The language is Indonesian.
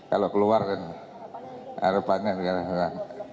kalau keluar kan harapannya